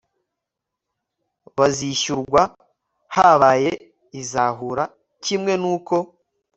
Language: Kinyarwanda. bazishyurwa habaye izahura kimwe n uko